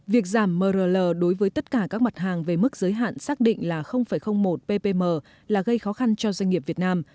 việc giảm mrl đối với tất cả các mặt hàng về mức giới hạn xác định là một ppm là gây khó khăn cho doanh nghiệp việt nam